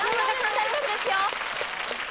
大丈夫ですよ！